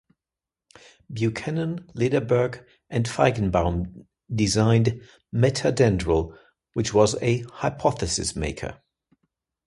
Buchanan, Lederberg and Feigenbaum designed "Meta-Dendral", which was a "hypothesis maker".